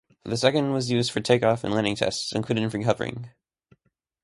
The second was used for takeoff and landing tests, including free hovering.